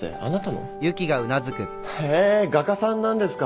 へぇ画家さんなんですか。